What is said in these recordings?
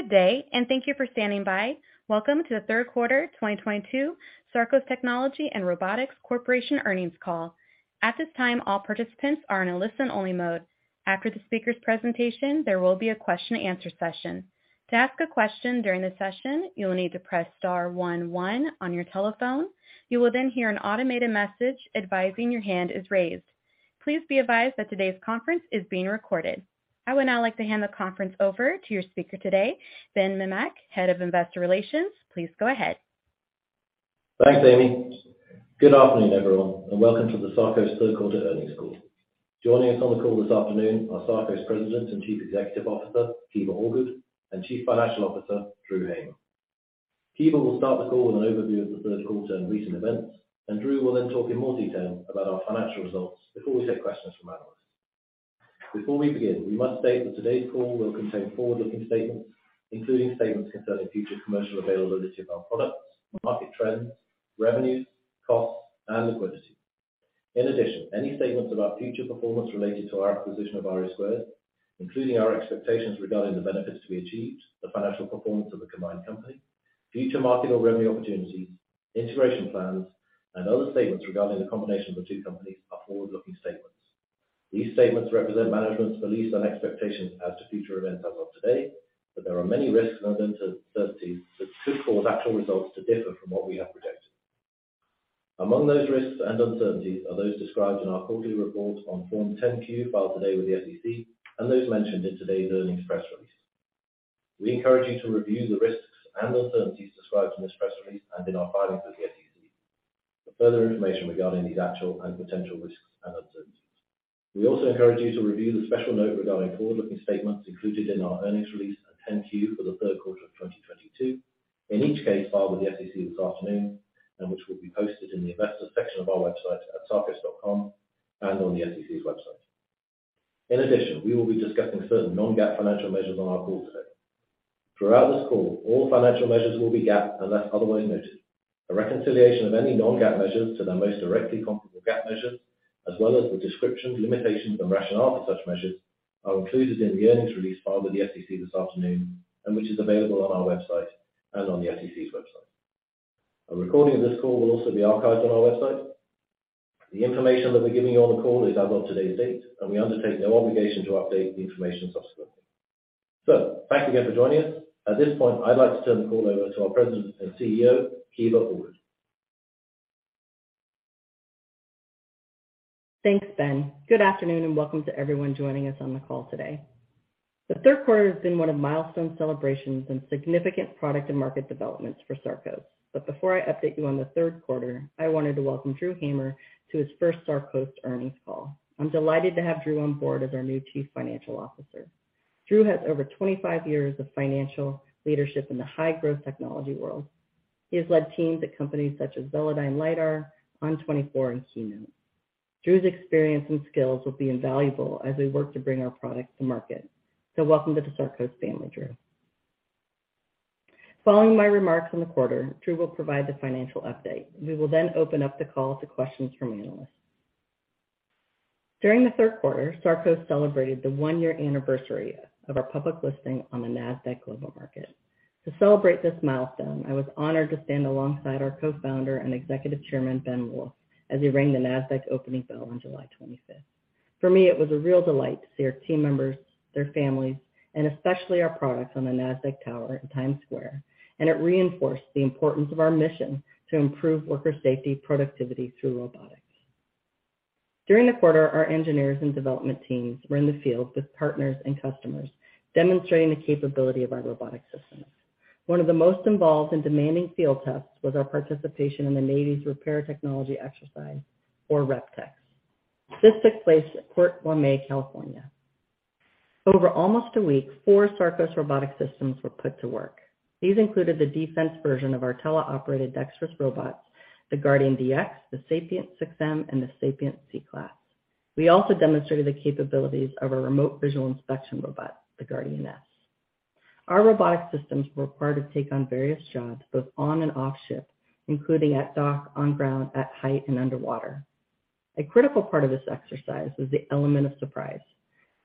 Good day, and thank you for standing by. Welcome to the third quarter 2022 Sarcos Technology and Robotics Corporation earnings call. At this time, all participants are in a listen-only mode. After the speaker's presentation, there will be a question and answer session. To ask a question during the session, you will need to press star one one on your telephone. You will hear an automated message advising your hand is raised. Please be advised that today's conference is being recorded. I would now like to hand the conference over to your speaker today, Ben Mimmack, Head of Investor Relations. Please go ahead. Thanks, Amy. Good afternoon, everyone, and welcome to the Sarcos third quarter earnings call. Joining us on the call this afternoon are Sarcos President and Chief Executive Officer, Kiva Allgood, and Chief Financial Officer, Drew Hamer. Kiva will start the call with an overview of the third quarter and recent events. Drew will then talk in more detail about our financial results before we take questions from analysts. Before we begin, we must state that today's call will contain forward-looking statements, including statements concerning future commercial availability of our products, market trends, revenues, costs, and liquidity. In addition, any statements about future performance related to our acquisition of RE2, including our expectations regarding the benefits to be achieved, the financial performance of the combined company, future market or revenue opportunities, integration plans, and other statements regarding the combination of the two companies are forward-looking statements. These statements represent management's beliefs and expectations as to future events as of today. There are many risks and uncertainties that could cause actual results to differ from what we have predicted. Among those risks and uncertainties are those described in our quarterly reports on Form 10-Q filed today with the SEC and those mentioned in today's earnings press release. We encourage you to review the risks and uncertainties described in this press release and in our filings with the SEC for further information regarding these actual and potential risks and uncertainties. We also encourage you to review the special note regarding forward-looking statements included in our earnings release and 10-Q for the third quarter of 2022. In each case, filed with the SEC this afternoon and which will be posted in the investor section of our website at sarcos.com and on the SEC's website. In addition, we will be discussing certain non-GAAP financial measures on our call today. Throughout this call, all financial measures will be GAAP unless otherwise noted. A reconciliation of any non-GAAP measures to their most directly comparable GAAP measure, as well as the description, limitations, and rationale for such measures are included in the earnings release filed with the SEC this afternoon and which is available on our website and on the SEC's website. A recording of this call will also be archived on our website. The information that we're giving you on the call is as of today's date. We undertake no obligation to update the information subsequently. Thanks again for joining us. At this point, I'd like to turn the call over to our President and Chief Executive Officer, Kiva Allgood. Thanks, Ben. Good afternoon, welcome to everyone joining us on the call today. The third quarter has been one of milestone celebrations and significant product and market developments for Sarcos. Before I update you on the third quarter, I wanted to welcome Drew Hamer to his first Sarcos earnings call. I'm delighted to have Drew on board as our new Chief Financial Officer. Drew has over 25 years of financial leadership in the high-growth technology world. He has led teams at companies such as Velodyne Lidar, ON24, and HUMAN. Drew's experience and skills will be invaluable as we work to bring our product to market. Welcome to the Sarcos family, Drew. Following my remarks on the quarter, Drew will provide the financial update. We will open up the call to questions from analysts. During the third quarter, Sarcos celebrated the one-year anniversary of our public listing on the Nasdaq Global Market. To celebrate this milestone, I was honored to stand alongside our Co-founder and Executive Chairman, Ben Wolff, as he rang the Nasdaq opening bell on July 25th. For me, it was a real delight to see our team members, their families, and especially our products on the Nasdaq Tower in Times Square, and it reinforced the importance of our mission to improve worker safety productivity through robotics. During the quarter, our engineers and development teams were in the field with partners and customers demonstrating the capability of our robotic systems. One of the most involved and demanding field tests was our participation in the Navy's Repair Technology Exercise, or REPTX. This took place at Port Hueneme, California. Over almost a week, four Sarcos robotic systems were put to work. These included the defense version of our teleoperated dexterous robots, the Guardian DX, the Sapien 6M, and the Sapien Sea Class. We also demonstrated the capabilities of our remote visual inspection robot, the Guardian S. Our robotic systems were required to take on various jobs both on and off ship, including at dock, on ground, at height, and underwater. A critical part of this exercise is the element of surprise.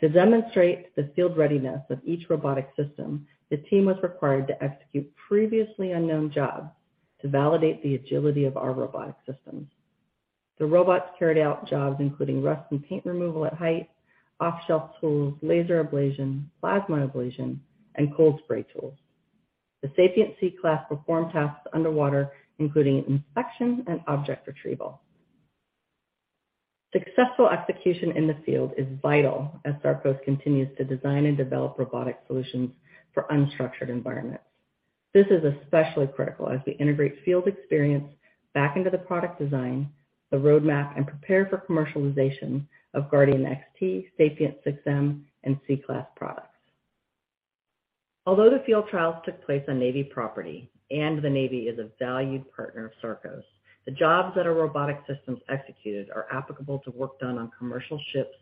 To demonstrate the field readiness of each robotic system, the team was required to execute previously unknown jobs to validate the agility of our robotic systems. The robots carried out jobs including rust and paint removal at height, off-shelf tools, laser ablation, plasma ablation, and cold spray tools. The Sapien Sea Class performed tasks underwater, including inspection and object retrieval. Successful execution in the field is vital as Sarcos continues to design and develop robotic solutions for unstructured environments. This is especially critical as we integrate field experience back into the product design, the roadmap, and prepare for commercialization of Guardian XT, Sapien 6M, and Sea Class products. Although the field trials took place on Navy property and the Navy is a valued partner of Sarcos, the jobs that our robotic systems executed are applicable to work done on commercial ships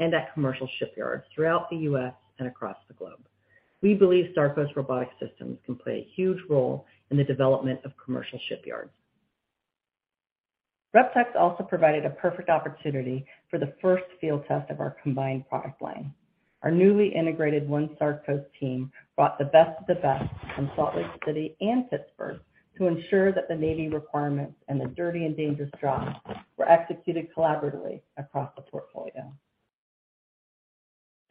and at commercial shipyards throughout the U.S. and across the globe. We believe Sarcos robotic systems can play a huge role in the development of commercial shipyards. REPTX also provided a perfect opportunity for the first field test of our combined product line. Our newly integrated one Sarcos team brought the best of the best from Salt Lake City and Pittsburgh to ensure that the Navy requirements and the dirty and dangerous jobs were executed collaboratively across the portfolio.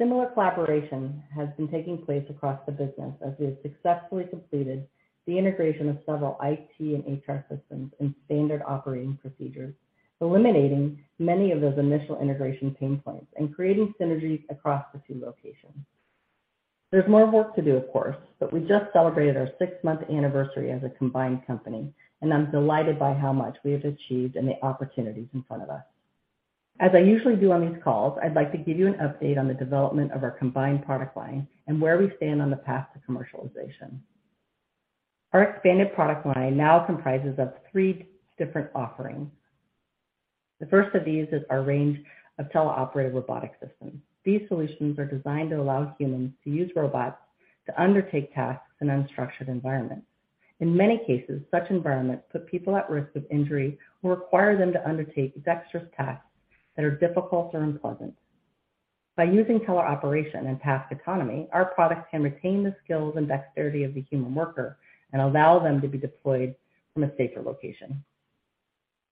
Similar collaboration has been taking place across the business as we have successfully completed the integration of several IT and HR systems and standard operating procedures, eliminating many of those initial integration pain points and creating synergies across the two locations. There's more work to do, of course, but we just celebrated our six-month anniversary as a combined company, and I'm delighted by how much we have achieved and the opportunities in front of us. As I usually do on these calls, I'd like to give you an update on the development of our combined product line and where we stand on the path to commercialization. Our expanded product line now comprises of three different offerings. The first of these is our range of teleoperated robotic systems. These solutions are designed to allow humans to use robots to undertake tasks in unstructured environments. In many cases, such environments put people at risk of injury or require them to undertake dexterous tasks that are difficult or unpleasant. By using teleoperation and task autonomy, our products can retain the skills and dexterity of the human worker and allow them to be deployed from a safer location.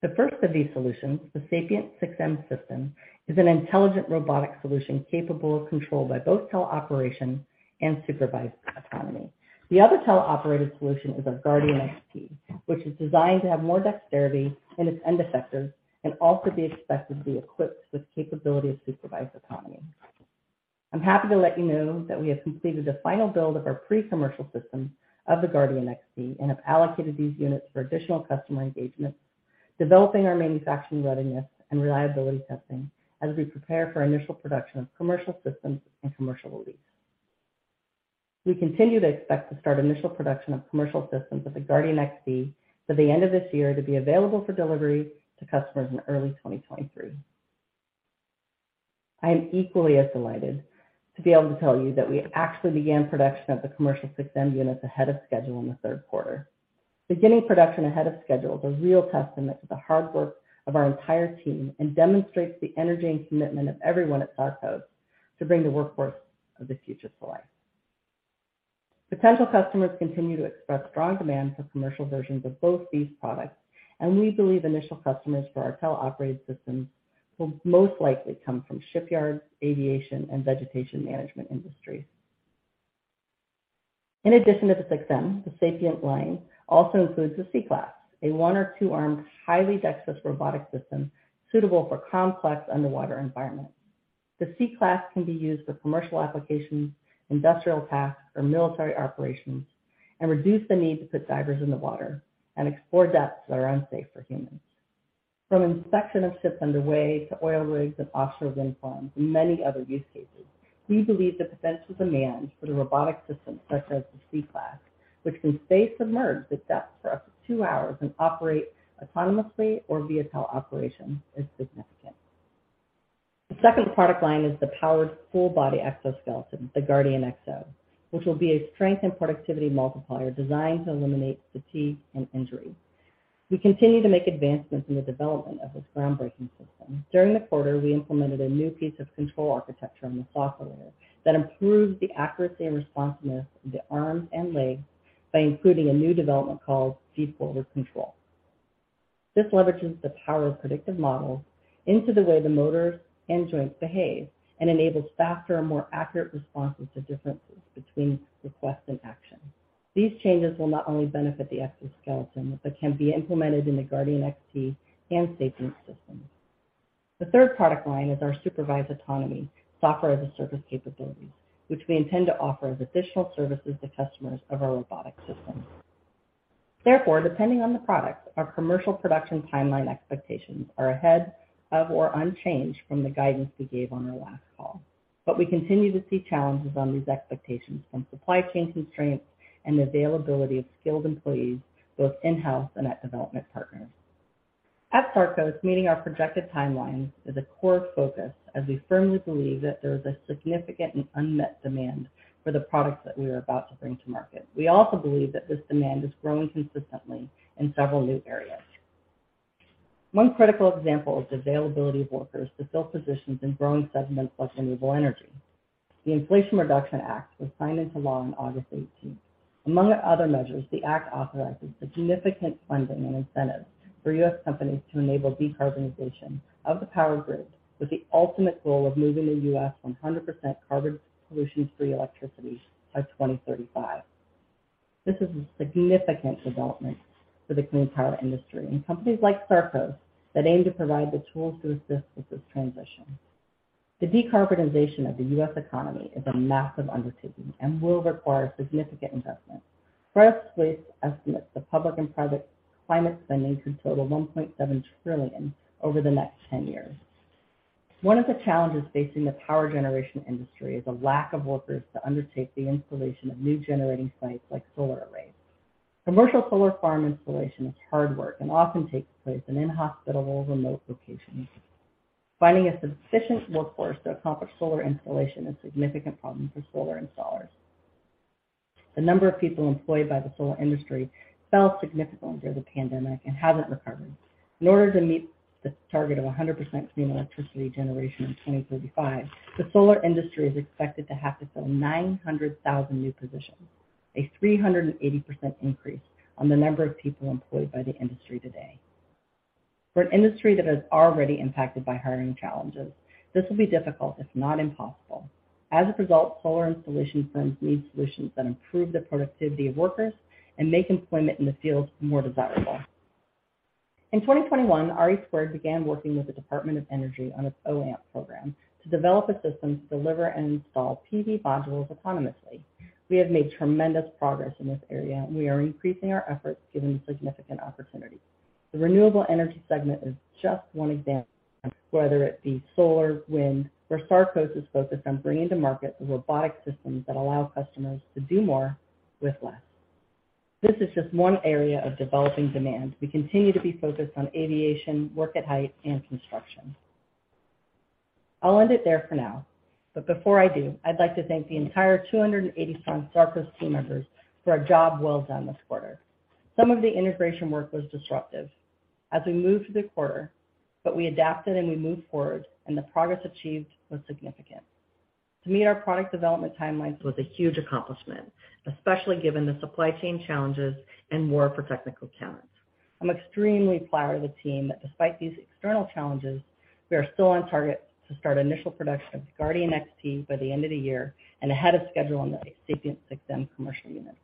The first of these solutions, the Sapien 6M system, is an intelligent robotic solution capable of control by both teleoperation and supervised autonomy. The other teleoperated solution is our Guardian XT, which is designed to have more dexterity in its end effector and also be expected to be equipped with capability of supervised autonomy. I'm happy to let you know that we have completed the final build of our pre-commercial system of the Guardian XT and have allocated these units for additional customer engagements, developing our manufacturing readiness, and reliability testing as we prepare for initial production of commercial systems and commercial release. We continue to expect to start initial production of commercial systems of the Guardian XT by the end of this year to be available for delivery to customers in early 2023. I am equally as delighted to be able to tell you that we actually began production of the commercial 6M units ahead of schedule in the third quarter. Beginning production ahead of schedule is a real testament to the hard work of our entire team and demonstrates the energy and commitment of everyone at Sarcos to bring the workforce of the future to life. Potential customers continue to express strong demand for commercial versions of both these products. We believe initial customers for our teleoperated systems will most likely come from shipyards, aviation, and vegetation management industries. In addition to the 6M, the Sapien line also includes the Sea Class, a one or two-armed, highly dexterous robotic system suitable for complex underwater environments. The Sea Class can be used for commercial applications, industrial tasks, or military operations. Reduce the need to put divers in the water. Explore depths that are unsafe for humans. From inspection of ships underway to oil rigs and offshore wind farms and many other use cases, we believe the potential demand for the robotic systems such as the Sea Class, which can stay submerged at depth for up to two hours and operate autonomously or via teleoperation, is significant. The second product line is the powered full-body exoskeleton, the Guardian XO, which will be a strength and productivity multiplier designed to eliminate fatigue and injury. We continue to make advancements in the development of this groundbreaking system. During the quarter, we implemented a new piece of control architecture in the software that improves the accuracy and responsiveness of the arms and legs by including a new development called G-Foulder control. This leverages the power of predictive models into the way the motors and joints behave and enables faster and more accurate responses to differences between request and action. These changes will not only benefit the exoskeleton but can be implemented in the Guardian XT and Sapien systems. The third product line is our supervised autonomy software as a service capability, which we intend to offer as additional services to customers of our robotic systems. Depending on the product, our commercial production timeline expectations are ahead of or unchanged from the guidance we gave on our last call. We continue to see challenges on these expectations from supply chain constraints and availability of skilled employees both in-house and at development partners. At Sarcos, meeting our projected timelines is a core focus as we firmly believe that there is a significant and unmet demand for the products that we are about to bring to market. We also believe that this demand is growing consistently in several new areas. One critical example is the availability of workers to fill positions in growing segments like renewable energy. The Inflation Reduction Act was signed into law on August 18th. Among other measures, the act authorizes significant funding and incentives for U.S. companies to enable decarbonization of the power grid with the ultimate goal of moving the U.S. from 100% carbon pollution-free electricity by 2035. This is a significant development for the clean power industry and companies like Sarcos that aim to provide the tools to assist with this transition. The decarbonization of the U.S. economy is a massive undertaking and will require significant investment. First, we estimate the public and private climate spending could total $1.7 trillion over the next 10 years. One of the challenges facing the power generation industry is a lack of workers to undertake the installation of new generating sites like solar arrays. Commercial solar farm installation is hard work and often takes place in inhospitable remote locations. Finding a sufficient workforce to accomplish solar installation is a significant problem for solar installers. The number of people employed by the solar industry fell significantly during the pandemic and hasn't recovered. In order to meet the target of 100% clean electricity generation in 2035, the solar industry is expected to have to fill 900,000 new positions, a 380% increase on the number of people employed by the industry today. For an industry that is already impacted by hiring challenges, this will be difficult, if not impossible. As a result, solar installation firms need solutions that improve the productivity of workers and make employment in the field more desirable. In 2021, RE2 began working with the Department of Energy on its OAMP program to develop a system to deliver and install PV modules autonomously. We have made tremendous progress in this area, and we are increasing our efforts given the significant opportunity. The renewable energy segment is just one example, whether it be solar, wind, where Sarcos is focused on bringing to market the robotic systems that allow customers to do more with less. This is just one area of developing demand. We continue to be focused on aviation, work at height, and construction. I'll end it there for now, but before I do, I'd like to thank the entire 280-strong Sarcos team members for a job well done this quarter. Some of the integration work was disruptive as we moved through the quarter, but we adapted, and we moved forward, and the progress achieved was significant. To meet our product development timelines was a huge accomplishment, especially given the supply chain challenges and war for technical talent. I'm extremely proud of the team that despite these external challenges, we are still on target to start initial production of Guardian XT by the end of the year and ahead of schedule on the Sapien 6M commercial unit.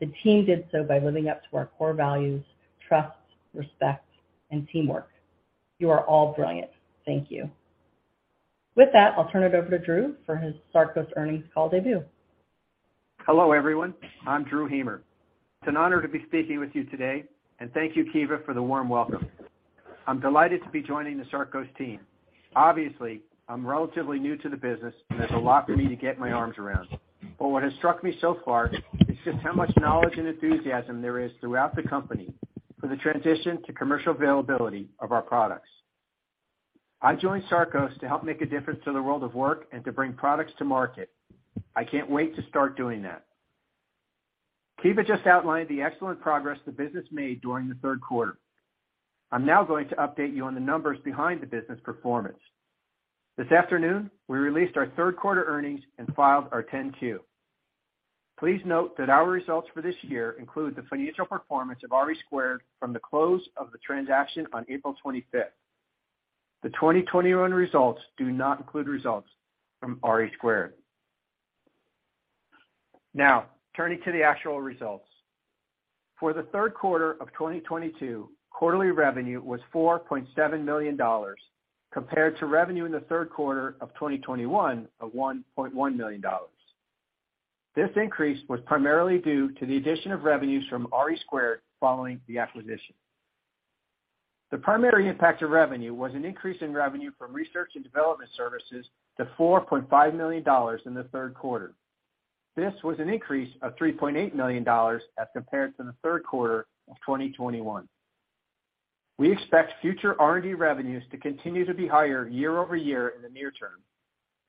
The team did so by living up to our core values, trust, respect, and teamwork. You are all brilliant. Thank you. With that, I'll turn it over to Drew for his Sarcos earnings call debut. Hello, everyone. I'm Drew Hamer. It's an honor to be speaking with you today, and thank you, Kiva, for the warm welcome. I'm delighted to be joining the Sarcos team. Obviously, I'm relatively new to the business, and there's a lot for me to get my arms around. But what has struck me so far is just how much knowledge and enthusiasm there is throughout the company for the transition to commercial availability of our products. I joined Sarcos to help make a difference to the world of work and to bring products to market. I can't wait to start doing that. Kiva just outlined the excellent progress the business made during the third quarter. I'm now going to update you on the numbers behind the business performance. This afternoon, we released our third quarter earnings and filed our 10-Q. Please note that our results for this year include the financial performance of RE2 from the close of the transaction on April 25th. The 2021 results do not include results from RE2. Turning to the actual results. For the third quarter of 2022, quarterly revenue was $4.7 million compared to revenue in the third quarter of 2021 of $1.1 million. This increase was primarily due to the addition of revenues from RE2 following the acquisition. The primary impact to revenue was an increase in revenue from research and development services to $4.5 million in the third quarter. This was an increase of $3.8 million as compared to the third quarter of 2021. We expect future R&D revenues to continue to be higher year-over-year in the near term.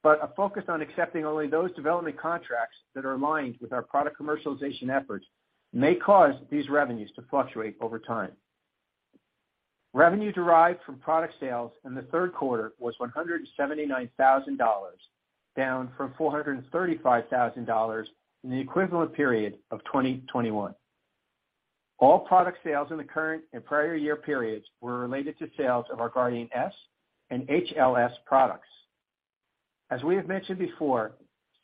A focus on accepting only those development contracts that are aligned with our product commercialization efforts may cause these revenues to fluctuate over time. Revenue derived from product sales in the third quarter was $179,000, down from $435,000 in the equivalent period of 2021. All product sales in the current and prior year periods were related to sales of our Guardian S and HLS products. As we have mentioned before,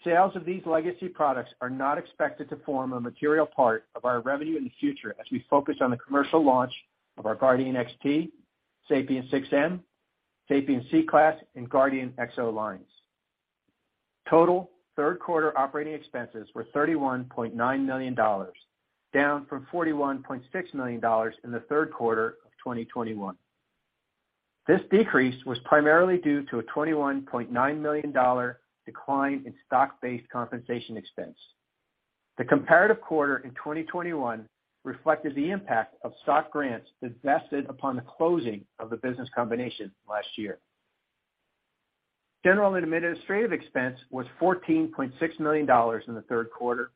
sales of these legacy products are not expected to form a material part of our revenue in the future as we focus on the commercial launch of our Guardian XT, Sapien 6M, Sapien Sea Class, and Guardian XO lines. Total third quarter operating expenses were $31.9 million, down from $41.6 million in the third quarter of 2021. This decrease was primarily due to a $21.9 million decline in stock-based compensation expense. The comparative quarter in 2021 reflected the impact of stock grants that vested upon the closing of the business combination last year. General and Administrative expense was $14.6 million in the third quarter,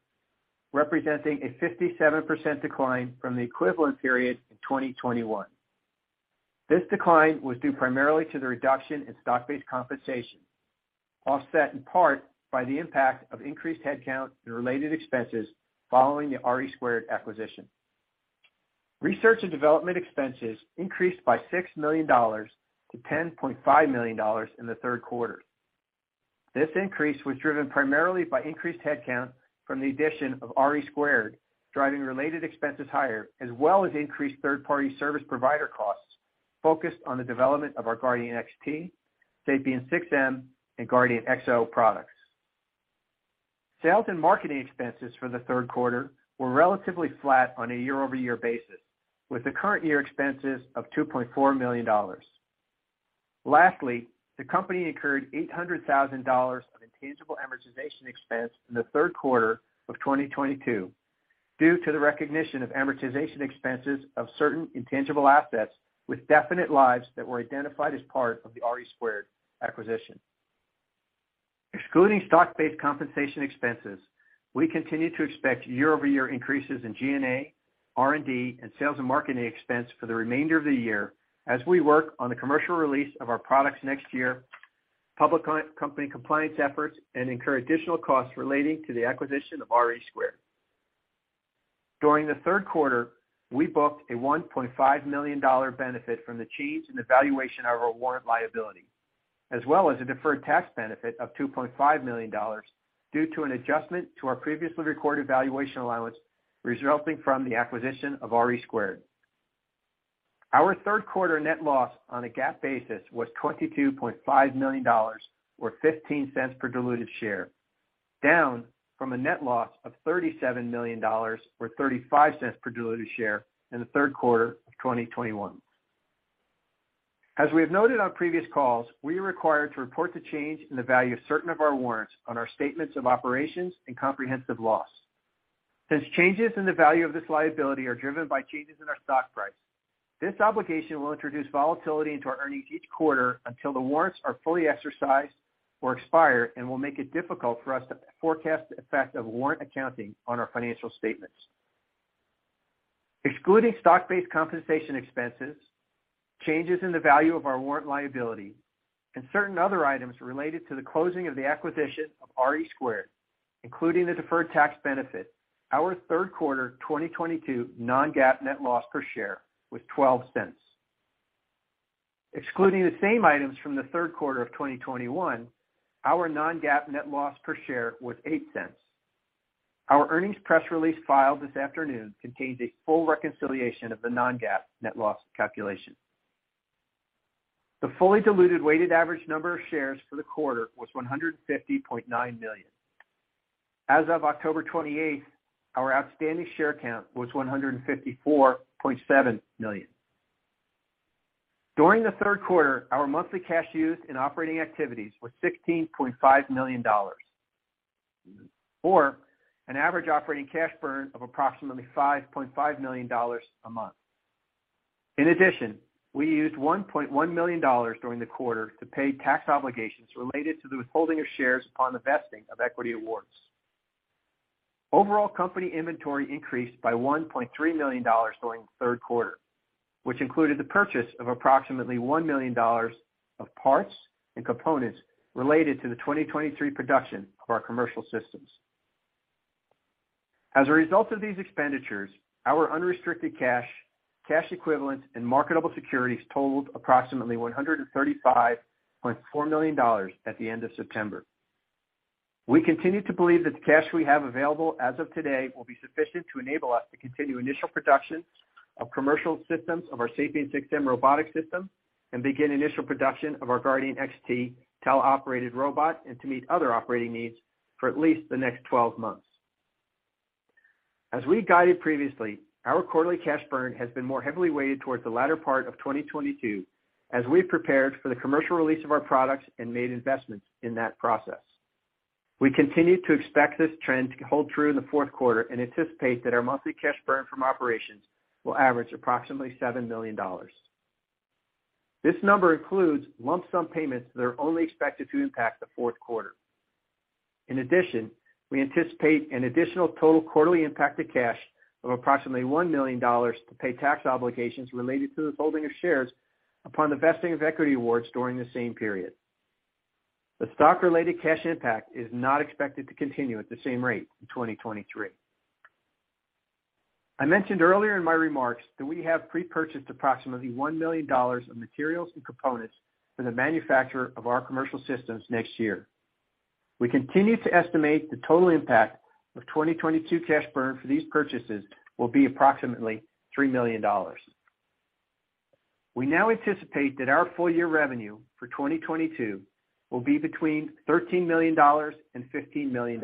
representing a 57% decline from the equivalent period in 2021. This decline was due primarily to the reduction in stock-based compensation, offset in part by the impact of increased headcount and related expenses following the RE² acquisition. Research and Development expenses increased by $6 million to $10.5 million in the third quarter. This increase was driven primarily by increased headcount from the addition of RE², driving related expenses higher, as well as increased third-party service provider costs focused on the development of our Guardian XT, Sapien 6M, and Guardian XO products. Sales and Marketing expenses for the third quarter were relatively flat on a year-over-year basis, with the current year expenses of $2.4 million. Lastly, the company incurred $800,000 of intangible amortization expense in the third quarter of 2022 due to the recognition of amortization expenses of certain intangible assets with definite lives that were identified as part of the RE² acquisition. Excluding stock-based compensation expenses, we continue to expect year-over-year increases in G&A, R&D, and Sales and Marketing expense for the remainder of the year as we work on the commercial release of our products next year, public company compliance efforts, and incur additional costs relating to the acquisition of RE Squared. During the third quarter, we booked a $1.5 million benefit from the change in the valuation of our warrant liability, as well as a deferred tax benefit of $2.5 million due to an adjustment to our previously recorded valuation allowance resulting from the acquisition of RE Squared. Our third quarter net loss on a GAAP basis was $22.5 million, or $0.15 per diluted share, down from a net loss of $37 million or $0.35 per diluted share in the third quarter of 2021. As we have noted on previous calls, we are required to report the change in the value of certain of our warrants on our statements of operations and comprehensive loss. Since changes in the value of this liability are driven by changes in our stock price, this obligation will introduce volatility into our earnings each quarter until the warrants are fully exercised or expire and will make it difficult for us to forecast the effect of warrant accounting on our financial statements. Excluding stock-based compensation expenses, changes in the value of our warrant liability, and certain other items related to the closing of the acquisition of RE2, including the deferred tax benefit, our third quarter 2022 non-GAAP net loss per share was $0.12. Excluding the same items from the third quarter of 2021, our non-GAAP net loss per share was $0.08. Our earnings press release filed this afternoon contains a full reconciliation of the non-GAAP net loss calculation. The fully diluted weighted average number of shares for the quarter was 150.9 million. As of October 28th, our outstanding share count was 154.7 million. During the third quarter, our monthly cash used in operating activities was $16.5 million, or an average operating cash burn of approximately $5.5 million a month. In addition, we used $1.1 million during the quarter to pay tax obligations related to the withholding of shares upon the vesting of equity awards. Overall company inventory increased by $1.3 million during the third quarter, which included the purchase of approximately $1 million of parts and components related to the 2023 production of our commercial systems. As a result of these expenditures, our unrestricted cash equivalents, and marketable securities totaled approximately $135.4 million at the end of September. We continue to believe that the cash we have available as of today will be sufficient to enable us to continue initial production of commercial systems of our Sapien 6M robotic system and begin initial production of our Guardian XT teleoperated robot and to meet other operating needs for at least the next 12 months. As we guided previously, our quarterly cash burn has been more heavily weighted towards the latter part of 2022 as we prepared for the commercial release of our products and made investments in that process. We continue to expect this trend to hold true in the fourth quarter and anticipate that our monthly cash burn from operations will average approximately $7 million. This number includes lump sum payments that are only expected to impact the fourth quarter. In addition, we anticipate an additional total quarterly impact to cash of approximately $1 million to pay tax obligations related to the holding of shares upon the vesting of equity awards during the same period. The stock-related cash impact is not expected to continue at the same rate in 2023. I mentioned earlier in my remarks that we have pre-purchased approximately $1 million of materials and components for the manufacture of our commercial systems next year. We continue to estimate the total impact of 2022 cash burn for these purchases will be approximately $3 million. We now anticipate that our full-year revenue for 2022 will be between $13 million and $15 million.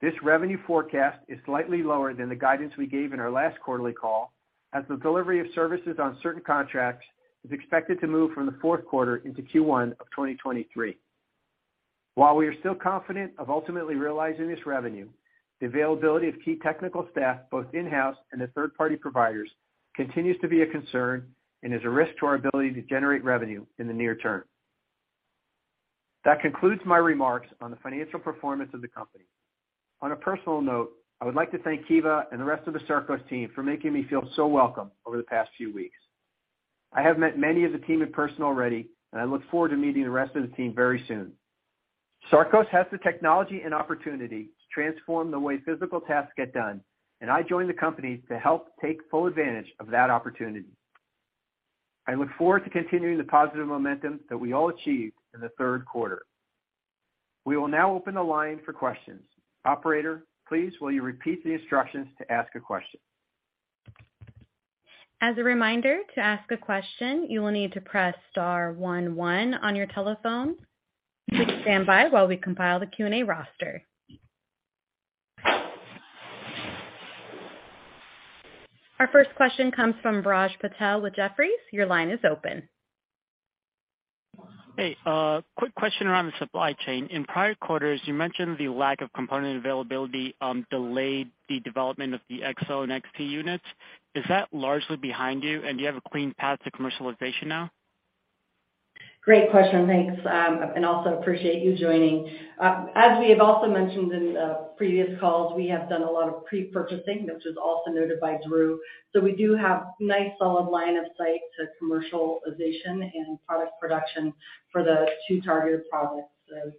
This revenue forecast is slightly lower than the guidance we gave in our last quarterly call, as the delivery of services on certain contracts is expected to move from the fourth quarter into Q1 of 2023. While we are still confident of ultimately realizing this revenue, the availability of key technical staff, both in-house and at third-party providers, continues to be a concern and is a risk to our ability to generate revenue in the near term. That concludes my remarks on the financial performance of the company. On a personal note, I would like to thank Kiva and the rest of the Sarcos team for making me feel so welcome over the past few weeks. I have met many of the team in person already, and I look forward to meeting the rest of the team very soon. Sarcos has the technology and opportunity to transform the way physical tasks get done, and I joined the company to help take full advantage of that opportunity. I look forward to continuing the positive momentum that we all achieved in the third quarter. We will now open the line for questions. Operator, please will you repeat the instructions to ask a question? As a reminder, to ask a question, you will need to press star one one on your telephone. Please stand by while we compile the Q&A roster. Our first question comes from Viraj Patel with Jefferies. Your line is open. Hey, quick question around the supply chain. In prior quarters, you mentioned the lack of component availability delayed the development of the XO and XT units. Is that largely behind you, and do you have a clean path to commercialization now? Great question. Thanks, and also appreciate you joining. As we have also mentioned in previous calls, we have done a lot of pre-purchasing, which was also noted by Drew. We do have nice solid line of sight to commercialization and product production for the two targeted products, the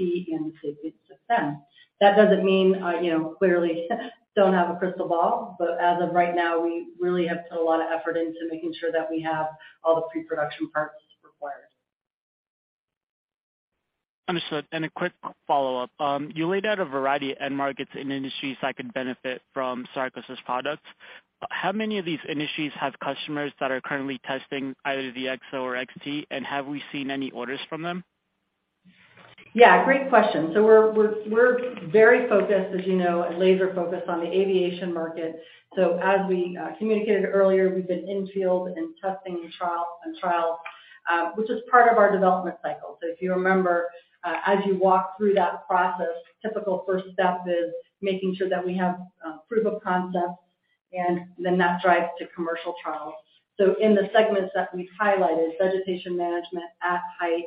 XT and the Sapien 6M. That doesn't mean, clearly don't have a crystal ball, but as of right now, we really have put a lot of effort into making sure that we have all the pre-production parts required. Understood, a quick follow-up. You laid out a variety of end markets and industries that could benefit from Sarcos' products. How many of these industries have customers that are currently testing either the XO or XT, and have we seen any orders from them? Yeah, great question. We're very focused as you know, laser focused on the aviation market. As we communicated earlier, we've been in field and testing and trial, which is part of our development cycle. If you remember, as you walk through that process, typical first step is making sure that we have proof of concept and then that drives to commercial trials. In the segments that we've highlighted, vegetation management at height,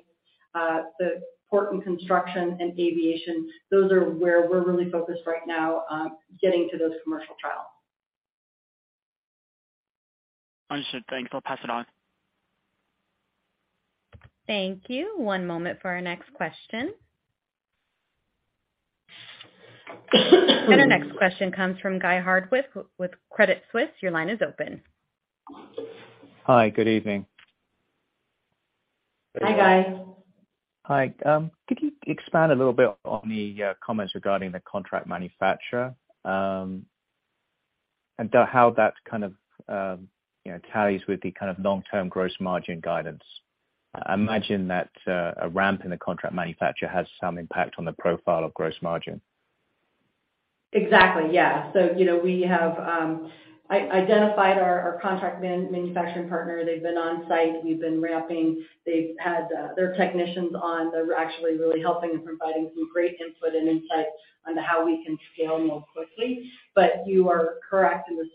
the port and construction and aviation, those are where we're really focused right now on getting to those commercial trials. Understood. Thanks. I'll pass it on. Thank you. One moment for our next question. Our next question comes from Guy Hardwick with Credit Suisse. Your line is open. Hi. Good evening. Hi, Guy. Hi. Could you expand a little bit on the comments regarding the contract manufacturer, how that kind of tallies with the kind of long-term gross margin guidance? I imagine that a ramp in the contract manufacturer has some impact on the profile of gross margin. Exactly. Yeah. We have identified our contract manufacturing partner. They've been on site. We've been ramping. They've had their technicians on. They're actually really helping and providing some great input and insight on to how we can scale more quickly. You are correct in the sense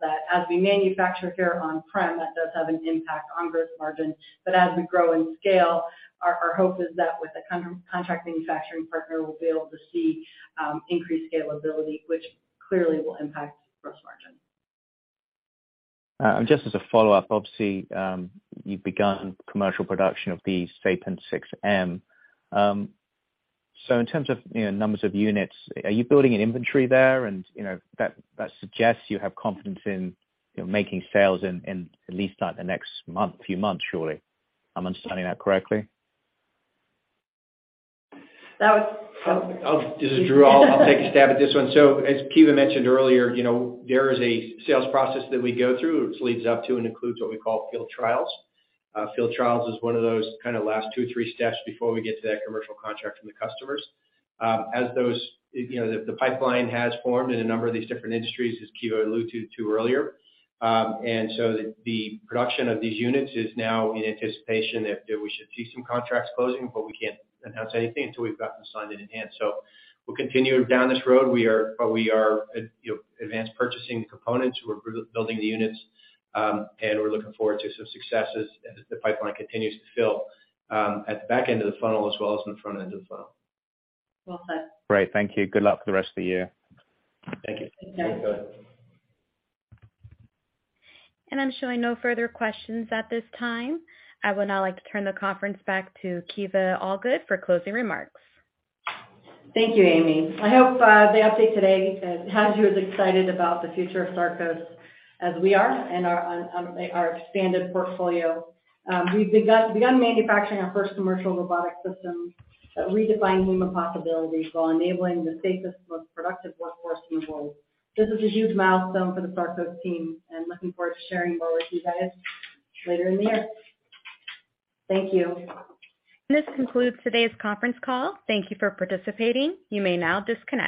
that as we manufacture here on-prem, that does have an impact on gross margin. As we grow in scale, our hope is that with a contract manufacturing partner, we'll be able to see increased scalability, which clearly will impact gross margin. Just as a follow-up, obviously, you've begun commercial production of the Sapien 6M. In terms of numbers of units, are you building an inventory there? That suggests you have confidence in making sales in at least like the next month, few months, surely. Am I understanding that correctly? That was This is Drew. I'll take a stab at this one. As Kiva mentioned earlier, there is a sales process that we go through, which leads up to and includes what we call field trials. Field trials is one of those kind of last 2, 3 steps before we get to that commercial contract from the customers. As those, the pipeline has formed in a number of these different industries, as Kiva alluded to earlier. The production of these units is now in anticipation that we should see some contracts closing, but we can't announce anything until we've got them signed and in hand. We'll continue down this road. We are advanced purchasing the components. We're building the units. We're looking forward to some successes as the pipeline continues to fill, at the back end of the funnel as well as in the front end of the funnel. Well said. Great. Thank you. Good luck for the rest of the year. Thank you. Thanks, Guy. I'm showing no further questions at this time. I would now like to turn the conference back to Kiva Allgood for closing remarks. Thank you, Amy. I hope the update today has you as excited about the future of Sarcos as we are and our expanded portfolio. We've begun manufacturing our first commercial robotic system that redefine human possibilities while enabling the safest, most productive workforce in the world. This is a huge milestone for the Sarcos team, and looking forward to sharing more with you guys later in the year. Thank you. This concludes today's conference call. Thank you for participating. You may now disconnect.